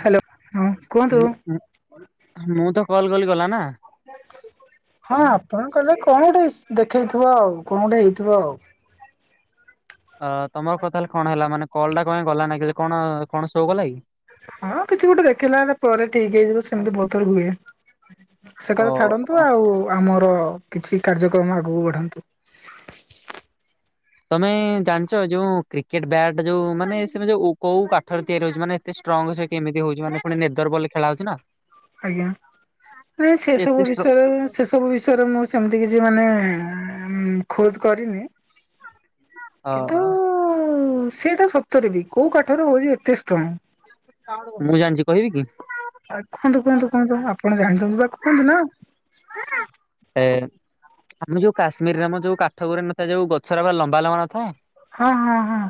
Hello ହଁ। କୁହନ୍ତୁ। ମୁ, ମୁ ହଁ ମୁଁ ତ କଲ୍ କଲି ଗଲା ନା। ହଁ ଆପଣ କହିଲେ କଣ ଗୋଟେ ଦେଖେଇଥିବ ଆଉ କଣ ଗୋଟେ ହେଇଥିବ ଆଉ। ଅ, ତୋମର କଥା ହେଲେ କଣ ହେଲା ମାନେ କଲ୍ ଟା କଣ ପାଇଁ ଗଲା ନାଇ କି କଣ କଣ ସୋ କଲା କି? ହଁ କିଛି ଗୋଟେ ଦେଖିଇଲା ଆରଃ ପରେ ଠିକ ହେଇଯିବ ସେମିତି ବହୁଥର ହୁଏ। ସେ ଅ କଥା ଛାଡନ୍ତୁ, ଅ, ଆଉ ଆମର କିଛି କାର୍ଯ୍ୟକ୍ରମ ଆଗକୁ ବଢାନ୍ତୁ। ତୋମେ ଜାଣିଛ ଯୋଉ କ୍ରିକେଟ୍ ବ୍ୟାଟ୍ ଯୋଉ ମାନେ ସେ ଯୋଉ କୋଉ କାଠରେ ତିଆରି ହଉଛି? ମାନେ ସେ ଷ୍ଟ୍ରଙ୍ଗ ସେ କେମିତି ହଉଛି ମାନେ ପୁଣି ନେଦର୍ ବଲ ରେ ଖେଳା ହଉଛି ନା? ଆଜ୍ଞା ମାନେ ସେ ଏତେ ସବୁ ଷ୍ଟ୍ର ବିଷୟରେ ସେ ସବୁ ବିଷୟରେ ମୁଁ ସେମିତି କିଛି ମାନେ ଆ, ମୁଁ ଖୋଜ କରିନି। ଅ କିନ୍ତୁ ସେଇଟା ସତରେ ବି କୋଉ କାଠର ହଉଛି ଏତେ ଷ୍ଟ୍ରଙ୍ଗ? ମୁଁ ଜାଣିଛି କହିବି କି? ଆ, କୁହନ୍ତୁ, କୁହନ୍ତୁ, କୁହନ୍ତୁ ଆପଣ ଜାଣିଛନ୍ତି ବା କୁହନ୍ତୁ ନା। ହଁ। ଆମେ ଯୋଉ କାଶ୍ମୀରେ ଆମ ଯୋଉ କାଠ ଗୁରା ନଥାଏ ଯୋଉ ଗଛଟା ପୁରା ଲମ୍ବା ଲମ୍ବା ନଥାଏ। ହଁ ହଁ ହଁ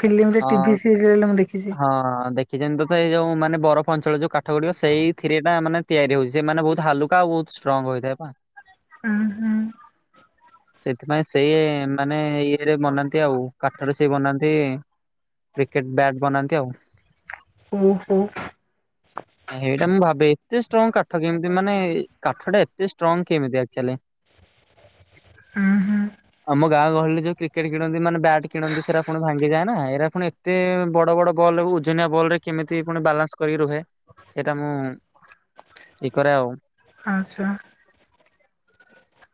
ଫିଲ୍ମରେ ହଁ। ଟିଭି ସିରିଏଲରେ ମୁଁ ଦେଖ ହଁ ଦେଖ ଖି ଚନ୍ତି ତ ଏଇଉ ମାନେ ବରଫ ଅଞ୍ଚଳ ଯଉ କାଠ ଗୁଡ଼ିକ ସେଇଥିରେଟା ମାନେ ତିଆରି ହଉଛି ସେମାନେ ବହୁତ୍ ହାଲୁକା ଆଉ ବହୁ ଷ୍ଟ୍ରଙ୍ଗ ହୋଇଥାଏ ପା। ଅ ହଁ। [inaudible] ସେଥିପାଇଁ ସେଇ ମାନେ ଇଏରେ ବନାନ୍ତି ଆଉ କାଠରେ ସେ ବନାନ୍ତି। କ୍ରିକେଟ ବ୍ୟାଟ୍ ବନାନ୍ତି ଆଉ। ଉଁ ହୁଁ। [inaudible] ହେଇଟା ମୁଁ ଭାବେ ଏତେ ଷ୍ଟ୍ରଙ୍ଗ କାଠ କେମିତି ମାନେ କାଠଟା ଏତେ ଷ୍ଟ୍ରଙ୍ଗ କେମିତି ଆକ୍ଚୂଆଲି। [inaudible] ଉଁ ହୁଁ। ଆମ ଗାଁ ଗହଳିରେ ଯୋଉ କ୍ରିକେଟ କିଣନ୍ତି ମାନେ ବ୍ୟାଟ କିଣନ୍ତି ସେରା ପୁଣି ଭାଙ୍ଗିଯାଏ ନା ଏରା ପୁଣି ଏତେ ବ ବଡ଼ ବଡ଼ ବଲ ଓଜନିଆ ବଲରେ କେମିତି ପୁଣି ବାଲାନ୍ସ କରିକି ରୁହେ ସେଇଟା ମୁଁ ଠିକ୍ କରେ ଆଉ। ଆଛା।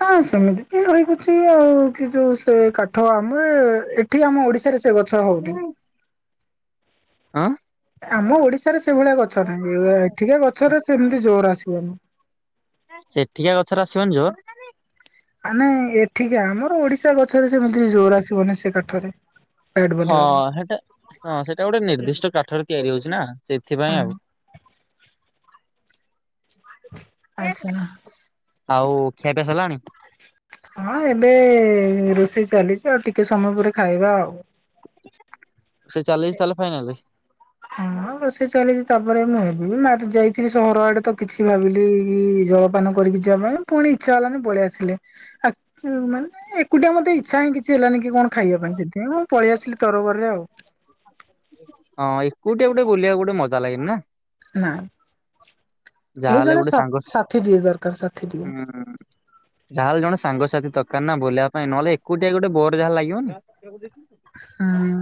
ହଁ ସେମିତି ବି ରହିଗଛି ଆଉ କି ଯୋଉ ସେ କାଠ ଆମେ ଏଠି ଆମ ଓଡିଶାରେ ସେ ଗଛ ହଉନେଇ। ଆଁ। ଆମ ଓଡିଶାରେ ସେଭଳିଆ ଗଛ ନାହିଁ ଏଠିକା ଗଛରେ ସେମିତି ଜୋର ଆସିବନି। ସେଠିକା ଗଛରେ ଆସିବନି ଜୋ ଆମେ ଏଠିକା ଆମର ଓଡିଶା ଗଛରେ ସେମିତି ଜୋର ଆସିବନି ସେ କାଠରେ। ବ୍ୟାଟ ହଁ ବନେଇବା ପାଇଁ। ହେଟା ହଁ ସେଟା ଗୋଟେ ନିର୍ଦ୍ଦିଷ୍ଟ କାଠର ତିଆରି ହଉଛି ନା ସେଇଥିପାଇଁ ହଁ ଆଉ। ଆଚ୍ଛା ଆଉ ଖିଆ ପିଆ ସରଲାଣି? [inaudible] ହଁ ଏବେ ରୋଷେଇ ଚାଲିଛି ଆଉ ଟିକେ ସମୟ ପରେ ଖାଇବା ଆଉ। ରୋଷେଇ ଚାଲିଛି ତାହଲେ ଫାଇନାଲ। ହଁ ରୋଷେଇ ଚାଲିଛି ତାପରେ ମୁଁ ହେବି ଯାଇଥିଲି ସହର ଆଡେ ତ କିଛି ଭାବିଲି ଜ ପାନ କରିକି ଯିବା ପାଇଁ ପୁଣି ଇଚ୍ଛା ହେଲାନି ପଳେଇ ଆସିଲି ଆ ମାନେ ଏକୁଟିଆ ମତେ ଇଚ୍ଛା ହିଁ କିଛି ହେଲାନି କି କଣ ଖାଇବା ପାଇଁ ସେଥିପାଇଁ ମୁଁ ପଳି ଆସିଲି ତରବରରେ ଆଉ। ହଁ ଏକୁଟିଆ ଗୋଟେ ବୁଲିବା ଗୋଟେ ମଜା ଲାଗେନି ନା। ନାଇ କେହି ଯାହାହେଲେ ଜଣେ ଗୋଟେ ସାଙ୍ଗ ସାଥି ଟିଏ ଦରକାର ସାଥି ଟିଏ। ଯାହେଲେ ଜଣ ସାଙ୍ଗସାଥି ଦରକାର ନା ବୁଲିବା ପାଇଁ ନହେଲେ ଏକୁଟିଆ ଗୋଟେ ବୋର ଯାହା ଲାଗିବନି। ହୁଁ।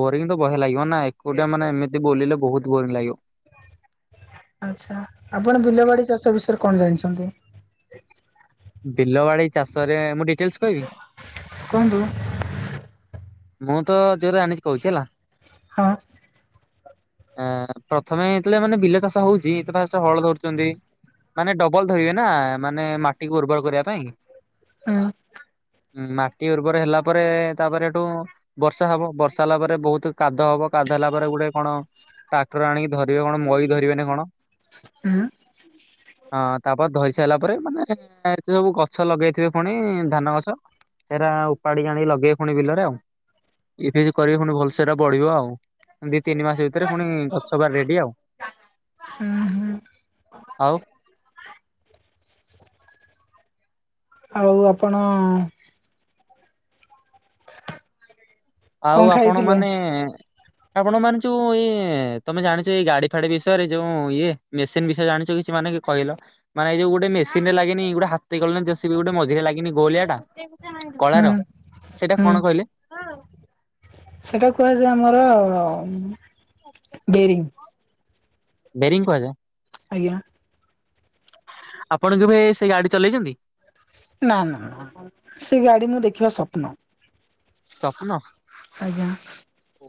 ବୋରିଂ ତ ବହେ ଲାଗିବ ନା ଏକୁଟିଆ ମାନେ ଏମିତି ବୁଲିଲେ ବହୁତ ବୋରିଂ ଲାଗିବ। ଆଛା ଆପଣ ବିଲ ବାଡି ଚାଷ ବିଷୟରେ କଣ ଜାଣିଛନ୍ତି? ବିଲବାଡି ଚାଷ ରେ ମୁଁ ଡିଟେଲସ କହିବି। କୁହନ୍ତୁ। ମୁଁ ତ ଜୋଉ ରା ଆଣିଛିି କହୁଛି ହେଲା। ହଁ। ଏଁ ପ୍ରଥମେ ଯେତଲେ ମାନେ ବିଲ ଚାଷ ହଉଛି ତ ଫାଷ୍ଟ ହଳ ଧରୁଛନ୍ତି। ମାନେ ଡବଲ ଧଇବେ ନା ମାନେ ମାଟିକୁ ଉର୍ବର କରିବା ପାଇଁ। ହୁଁ। ଉଁ ମାଟି ଉର୍ବର ହେଲା ପରେ ତାପରେ ଏଠୁ ବର୍ଷା ହବ, ବର୍ଷା ହେଲା ପରେ ବହୁତ କାଦ ହବ, କାଦ ହେଲା ପରେ ଗୋଟେ କଣ ଟ୍ରାକ୍ଟର ଆଣିକି ଧରିବେ କଣ ମଇ ଧରିବେନି କଣ? ହା। ହଁ ତାପରେ ଧହି ସାରିଲା ପରେ ମାନେ ଏତ ସବୁ ଗଛ ଲଗେଇଥିବେ ପୁଣି ଧାନ ଗଛ। ସେରା ଉପାଡି ଆଣି ଲଗେଇବେ ପୁଣି ବିଲରେ ଆଉ। ଇଭି କରିବେ ପୁଣି ଭଲସେ ଟା ବଢିବ ଆଉ, ଦି ତିନି ମାସ ଭିତରେ ପୁଣି ଗଛବାର ରେଡି ଆଉ। ହୁଁ ଆଉ ଆଉ ଆପଣ ଆଉ କଣ ଆପଣ ଖାଇଥିଲେ ମାନେ ଆପଣ ମାନେ ଯୋଉ ଏ ତମେ ଜାଣିଛ ଏଇ ଗାଡି ଫାଡି ବିଷୟରେ ଯୋଉ ଇଏ ମେସିନ ବିଷୟ ଜାଣିଛ କିଛି, ମାନେ କହିଲ ମାନେ ଯୋଉ ଗୋଟେ ମେସିନ ରେ ଲାଗିନି ଗୋଟେ ହାତୀ କଲେ ଜେସିବି ଗୋଟେ ମଝିରେ ଲାଗିନି ଗୋଳିଆଟା କଳାର ହୁଁ ସେଇଟା ହୁଁ କଣ କହିଲେ? ସେଟା କୁହାଯାଏ ଆମର ବେରିଙ୍ଗ। ବେରିଙ୍ଗ କୁହାଯାଏ। ଆଜ୍ଞା। ଆପଣ କେବେ ସେ ଗାଡି ଚଲେଇଛନ୍ତି? ନା ନା ନା ନା ସେ ଗାଡି ମୁଁ ଦେଖିବା ସ୍ୱପ୍ନ। ସ୍ୱପ୍ନ? ଆଜ୍ଞା। ଓ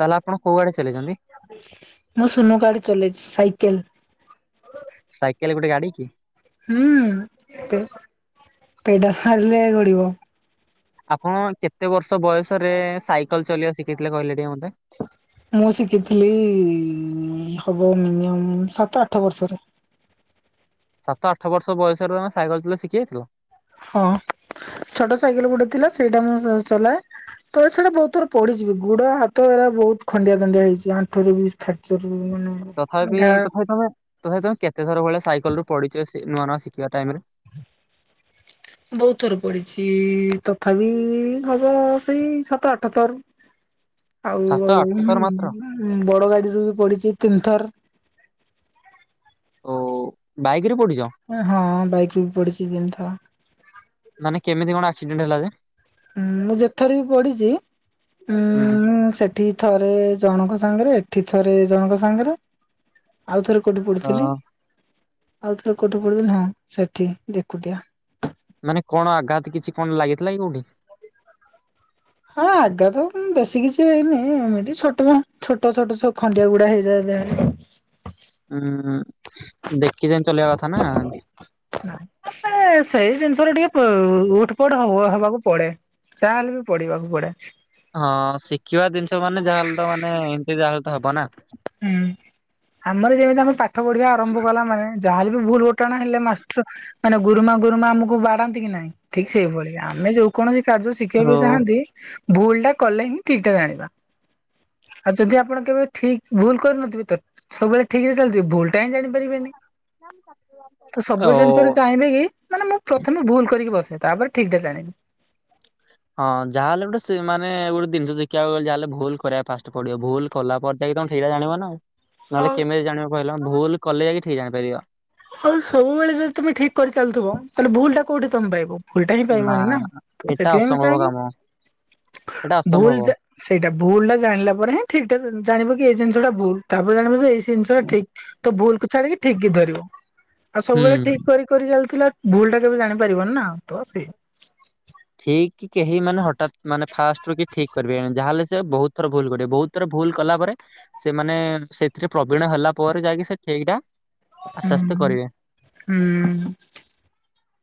ତାହେଲେ ଆପଣ କୋଉ ଗାଡି ଚଲେଛନ୍ତି? ମୁଁ ସୁନୁ ଗାଡି ଚଲେଇଛି ସାଇକେଲ। ସାଇକେଲ ଗୋଟେ ଗାଡି କି? ହୁଁ ପେଡାଲ ମାରିଲେ ଗଡିବ। ଆପଣ କେତେ ବର୍ଷ ବୟସରେ ସାଇକେଲ ଚଲେଇବା ଶିଖିଥିଲେ କହିଲେ ଟିକେ ମତେ? ମୁଁ ଶିଖିଥିଲି ହବ ମିନିମମ୍ ସାତ ଆଠ ବର୍ଷରେ। ସାତ ଆଠ ବର୍ଷ ବୟସରେ ତମେ ସାଇକଲ ଚଲା ଶିଖି ଯାଇଥିଲ? ହଁ, ଛୋଟ ସାଇକେଲ ଗୋଟେ ଥିଲା ସେଇଟା ମୁଁ ଚଲାଏ। ତା ଛଡା ବହୁତ ଥର ପଡିଚିବି ଗୁଡ ହାତ ଏରା ବହୁତ ଖଣ୍ଡିଆ ଦଣ୍ଡିଆ ହେଇଛି ଆଣ୍ଠୁ ବି ଫ୍ରାକ୍ଚର ମାନେ ତଥାପି ଘା ତଥାପି ତମେ ତଥାପି ତମେ କେତେଥର ଭଳିଆ ସାଇକଲ ରୁ ପଡିିଛ ନୂଆ ନୂଆ ଶିଖିବା ଟାଇମ ରେ? ବହୁତ ଥର ପଡିଛି, ତଥାପି ହବ ସେଇ ସାତ ଆଠ ଥର। ଆଉ ସାତ ଆଉ ଆଠଥର ମାତ୍ର ହୁଁ ବଡ ଗାଡିରୁ ବି ପଡିଛି ତିନିଥର। ଓ ବାଇକି ରୁ ପଡିଛ? ହଁ ବାଇକ ରୁ ବି ପଡିଛି ତିନି ଥର। ମାନେ କେମିତି କଣ ଆକ୍ସିଡେଣ୍ଟ ହେଲା ଯେ? ଉଁ ମୁଁ ଯେତେଥର ବି ପଡିଚି ଉଁ ହୁଁ ମୁଁ ସେ ଠି ଥରେ ଜଣଙ୍କ ସାଙ୍ଗରେ ଏଠି ଥରେ ଜଣଙ୍କ ସାଙ୍ଗରେ ଆଉଥରେ କୋଉଠି ଅ ପଡିଥିଲି? ଆଉଥରେ କୋଉଠି ପଡିଥିଲି, ହଁ ସେଠି ଏକୁଟିଆ। ମାନେ କଣ ଆଘାତ କିଛି କଣ ଲାଗିଥିଲା କି କୋଉଠି? ହଁ ଆଘାତ ବେଶୀ କିଛି ହେଇନି ଏମିତି ଛୋଟିଆ ଛୋଟ ଛୋଟ ସବୁ ଖଣ୍ଡିଆ ଗୁଡା ହେଇଯାଏ ଦେହରେ। ହୁଁ ଦେଖି ଚାହିଁ ଚଲେଇବା କଥା ନା ନାଇ ସେଇ ଜିନିଷରେ ଟିକେ ଉଠପଡ ହବାକୁ ପଡେ ଚାହାହେଲେ ବି ପଢିବାକୁ ପଡେ। ହଁ ଶିଖିବା ଜିନିଷ ମାନେ ଯାହାହେଲେ ତ ମାନେ ଏମତି ଯାହାହେଲେ ତ ହବ ନା। ହୁଁ ଆମର ଯେମିତି ଆମେ ପାଠ ପଢିବା ଆରମ୍ଭ କଲା ମାନେ ଯାହାଲେ ବି ଭୁଲ ଘଟାଣା ହେଲେ ମାଷ୍ଟର ମାନେ ଗୁରୁମା ଗୁରୁମା ଆମକୁ ବାଡାନ୍ତି କି ନାହିଁ ଠିକ୍ ସେଇଭଳିଆ। ଆମେ ଯୋକୌଣସି କାର୍ଯ୍ୟ ଓ ଶିଖେଇବାକୁ ଚାହାନ୍ତି ଭୁଲ ଟା କଲେ ହିଁ ଠିକଟା ଜାଣିବା ଆଉ ଯଦି ଆପଣ କେବେ ଠିକ ଭୁଲ କରିନଥିବେ ତ ସବୁବେଳେ ଠିକ ରେ ଚାଲିଥିବ ଭୁଲଟା ହିଁ ଜାଣିପାରିବେନି। ତ ଓ ସବୁ ଜିନିଷରୁ ଚାହିଁବେ କି ମାନେ ମୁଁ ପ୍ରଥମେ ଭୁଲ କରିକି ବସେ ତାପରେ ଠିକଟା ଜାଣେ। ହଁ ଯାହାହେଲେ ବି ଗୋଟେ ମାନେ ଗୋଟେ ଜିନିଷ ଶିଖିବାକୁ ଗଲେ ଯାହେଲେ ଭୁଲ କରିବା ଫାଷ୍ଟ ପଡିବ ଭୁଲ କଲା ପରେ ଯାଇକି ତମେ ଠିକଟା ଜାଣିବ ନାଆଉ ନହେଲେ ଆଉ କେମିତି ଜାଣିବ କହିଲ ଭୁଲ କଲେ ଠିକ ଜାଣିପାରିବ। ଆଉ ସବୁବେଳେ ଯଦି ତମେ ଠିକ କରି ଚାଲଥିବ ତାହେଲେ ଭୁଲ ଟା କଉଠି ତମେ ପାଇବ। ଭୁଲଟା ହିଁ ପାଇବନି ନା ତ ଏଟା ସେଥିପାଇଁ ଅସମ୍ଭବ ବି କାମ ଚା ଏଟା ଅସମ୍ଭବ ଭୁଲ ସେଇଟା ଭୁଲ ଟା ଜାଣିଲା ପରେ ହିଁ ଠିକଟା ଜାଣିବ କି ଏ ଜିନସଟା ଭୁଲ ତାପରେ ଜାଣିବ ଯେ ଏଇ ଜିନିଷ ଟା ଠିକ। ତ ଭୁଲକୁ ଛାଡିକି ଠିକ କି ଧରିବ। ଆଉ ସବୁବେଳେ ହୁଁ। ଠିକ କରି କରି ଚାଲୁଥିଲ ଭୁଲ ଟା କେବେ ଜାଣିପାରିବନି ନା ତ ସେ ଠିକ କି କେହି ମାନେ ହଠାତ୍ ମାନେ ଫାଷ୍ଟ ରୁ କି ଠିକ୍ କରିବେ ଯାହେଲେ ସେ ବହୁତ ଥର ଭୁଲ କରିବେ ବହୁତ ଥର ଭୁଲ କଲା ପରେ ସେମାନେ ସେଥିରେ ପ୍ରବୀଣ ହେଲା ପରେ ଯାଇକି ସେ ଠିକ୍ ଟା ହୁଁ। ଆସ୍ତେ ଆସ୍ତେ କରିବେ। ହୁଁ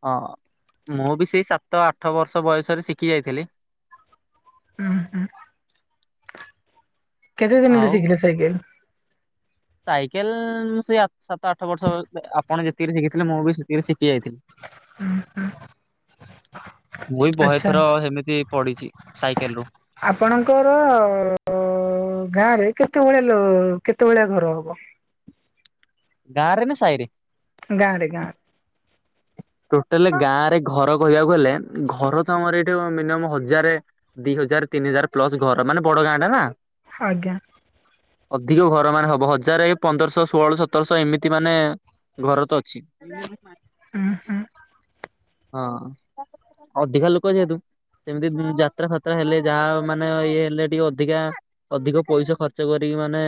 ହଁ ମୁଁ ବି ସେଇ ସାତ ଆଠ ବର୍ଷ ବୟସରେ ଶିଖି ଯାଇଥିଲି। ହୁଁ ହୁଁ କେତେ ଦିନରେ ଆଉ ଶିଖିଲେ ସାଇକେଲ? ସାଇକେଲ ସେ ସାତ ଆଠ ବର୍ଷ ଆପଣ ଯେତିକିରେ ଶିଖିଥିଲେ ମୁଁ ବି ସେତିକିରେ ଶିଖି ଯାଇଥିଲି। ହୁଁ ହୁଁ ମୁଁଇ ବହେଥର ହେମିତି ପଢିଛି ସାଇକେଲ ରୁ ଆପଣଙ୍କର ଗାଁ ରେ କେତେ ଭଳିଆ କେତେ ଭଳିଆ ଘର ହବ। ଗାଁରେ ନା ସାହିରେ? ଗାଁରେ ଗାଁରେ। ଟୋଟାଲ ଗାଁ ରେ ଘର କହିବାକୁ ଗଲେ ଘର ତ ଆମର ଏଇଠି ମିନିମମ ହଜାରେ ଦି ହଜାର ତିନି ହଜାର ପ୍ଲସ ଘର ମାନେ ବଡ ଗାଁ ଟା ନା। ଆଜ୍ଞା। ଅଧିକ ଘର ମାନେ ହବ ହଜାରେ ପନ୍ଦରଶହ ଷୋଳ ସତରଶହ ଏମିତି ମାନେ ଘର ତ ଅଛି। ହଁ ହଁ। ହଁ ଅଧିକା ଲୋକ ଯେହେତୁ- ସେମିତି ଯାତ୍ରା ଫାତ୍ରା ହେଲେ ଯାହା ମାନେ ଇଏ ହେଲେ ଟିକେ ଅଧିକା- ଅଧିକ ପଇସା ଖର୍ଚ୍ଚ କରିକି ମାନେ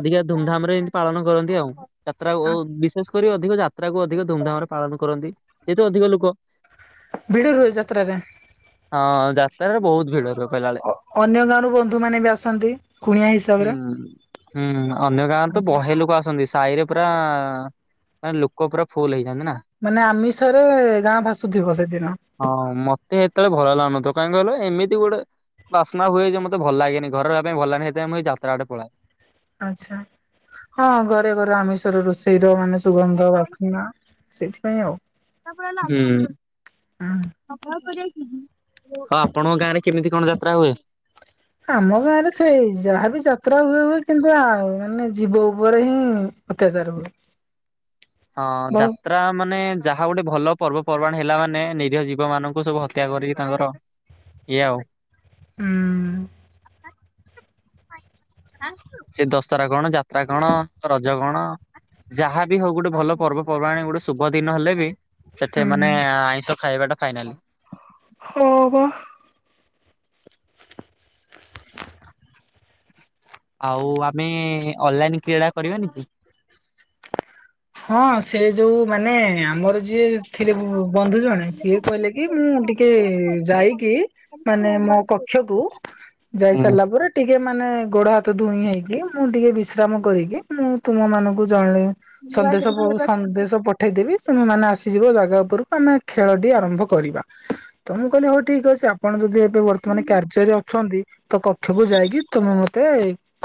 ଅଧିକା ଧୁମଧାମ ରେ ଏମିତି ପାଳନ କରନ୍ତି ଆଉ। ଯାତ୍ରା ବିଶେଷ କରି ଅଧିକ ଯାତ୍ରାକୁୁ ଅଧିକ ଧୁମଧାମ ରେ ପାଳନ କରନ୍ତି ଯେହେତୁ ଅଧିକ ଲୋକ- ଭିଡ଼ ହୁଏ ଯାତ୍ରା ରେ। ହଁ ଯାତ୍ରାରେ ବହୁତ ଭିଡ ରୁହେ। କହିଲା ବେଳେ। ଅ ଅନ୍ୟ ଗାଁରୁ ବନ୍ଧୁ ମାନେ ବି ଆସନ୍ତି କୁଣିଆ ହୁଁ। ହିସାବରେ। ହୁଁ ଅନ୍ୟ ଗାଁରୁ ତ ଆଚ୍ଛା। ବହେ ଲୋକ ଆସନ୍ତି ସାହିରେ ପୁରା ଲୋକ ପୁରା ଫୁଲ୍ ହେଇଯାଆନ୍ତି ନା। ମାନେ ଆମିଷରେ ଗାଁ ଭାସୁଥିବ ସେଦିନ। ହଁ ମତେ ଏତେ ଭଲ ଲାଗୁନଥିବ କାହିଁକି କହିଲ ଏମିତି ଗୋଟେ ବାସ୍ନା ହୁଏ ଯେ ମତେ ଭଲ ଲାଗେନି ଘରେ ରହିବା ପାଇଁ ଭଲ ଲାଗେନି ହେତି ପାଇଁ ମୁଁ ଯାତ୍ରା ଆଡ଼େ ପଳାଏ। ଆଛା ହଁ ଘରେ କରୁ ଆମିଷର ରୋଷେଇର ମାନେ ସବୁ ସୁଗନ୍ଧ ବାସ୍ନା ସେଇଥିପାଇଁ ଆଉ। ହୁଁ। ହୁଁ। ହଁ ଆପଣଙ୍କ ଗାଁ ରେ କେମିତି କଣ ଯାତ୍ରା ହୁଏ? ଆମ ଗାଁରେ ସେଇ ଯାହାବି ଯାତ୍ରା ହୁଏ ହୁଏ କିନ୍ତୁ ଆଉ ମାନେ ଯୀବ ଉପରେ ହିଁ- ଅତ୍ୟାଚାର। ହଁ ଯତ୍ ବହୁ ଯାତ୍ରା ମାନେ ଯାହା ଗୋଟେ ଭଲ ପର୍ବ ପର୍ବାଣୀ ହେଲା ମାନେ ନିରୀହ ଜୀବମାନଙ୍କୁ ସବୁ ହତ୍ୟା କରି ତାଙ୍କର ଏଇଆ ଆଉ। ହୁଁ। ସେ ଦଶହରା କଣ ଯାତ୍ରା କଣ ରଜ କଣ? ଯାହାବି ହଉ ଗୋଟେ ଭଲ ପର୍ବପର୍ବାଣି ଗୋଟେ ଶୁଭ ଦିନ ହେଲେ ବି? ସେଠେ ହୁଁ। ମାନେ ଆଇଁଷ ଖାଇବାଟା ଫାଇନାଲ। ହଁ ବା। ଆଉ ଆମେ ଅନଲାଇନ କ୍ରୀଡ଼ା କରିବେ। ହଁ ସେ ଯୋଉ ମାନେ ଆମର ଯିଏ ଥିଲେ ବନ୍ଧୁ ଜଣେ ସିଏ କହିଲେ କି ମୁଁ ଟିକେ ଯାଇକି ମାନେ ମୋ କକ୍ଷକୁ ଯାଇ ହୁଁ ସାରିଲା ପରେ ଟିକେ ମାନେ ଗୋଡ ହାତ ଧୁଇଁ ହେଇକି ମୁଁ ଟିକେ ବିଶ୍ରାମ କରିକି ମୁଁ ତୁମମାନଙ୍କୁ ଜଣେଇବି। ସନ୍ଦେଶ ସନ୍ଦେଶ ପ ପଠେଇଦେବି ତୁମେ ମାନେ ଆସିଯିବ ଜାଗା ଉପରକୁ ଆମେ ଖେଳ ଟି ଆରମ୍ଭ କରିବା। ତ ମୁଁ କହିଲି ହଉ ଠିକ ଅଛି ଆପଣ ଯଦି ଏବେ ବର୍ତ୍ତମାନ କାର୍ଯ୍ୟରେ ଅଛନ୍ତି ତ କକ୍ଷ କୁ ଯାଇକି ତମେ ମତେ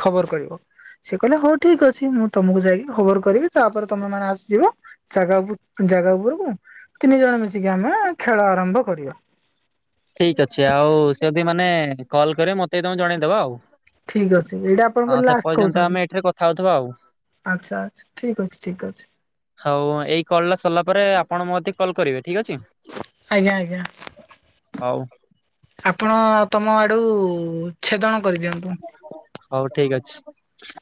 ଖବର କରିବ? ସେ କହିଲେ ହଉ ଠିକ ଅଛି ମୁଁ ତମକୁ ଯାଇକି ଖବର କରିବି। ତାପରେ ତମେ ମାନେ ଆସିଯିବ ଜାଗା ଜାଗା ଉପରକୁ ତିନି ଜଣ ମିଶିକି ଆମେ ଖେଳ ଆରମ୍ଭ କରିବା। ଠିକ୍ ଅଛି ଆଉ ସେ ଯଦି ମାନେ କଲ୍ କରିବ ମତେ ତମେ ଜଣେଇଦବା ଆଉ ଠିକ ଅଛି ଏଇଟା ହଁ ଆପଣଙ୍କର ସେ ଲାଷ୍ଟ ପର୍ଯ୍ୟନ୍ତ ଆମେ କରୁଛନ୍ତି। ଏଠାରେ କଥା ହଉଥିବା ଆଉ। ଆଚ୍ଛା ଆଛା ଠିକ ଅଛି ଠିକ ଅଛି। ହଉ ଏଇ କଲ୍ ଟା ସରିଲା ପରେ ଆପଣ ମୋ କତିକି କଲ କରିବେ ଠିକ୍ ଅଛି। ଆଜ୍ଞା ଆଜ୍ଞା। ହଉ। ଆପଣ ତମ ଆଡୁ ଛେଦଣ କରିଦିଅନ୍ତୁ। ହଉ ଠିକ ଅଛି।